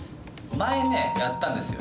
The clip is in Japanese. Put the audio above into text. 前ねやったんですよ